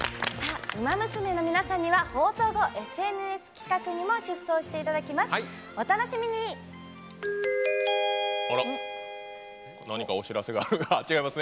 ウマ娘の皆さんには放送後、ＳＮＳ企画にも出走していただきます。